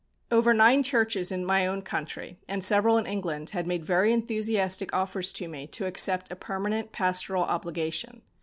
Over nine churches in my own country, and several in England, had made very enthusiastic offers to me to accept a permanent pastoral obligation.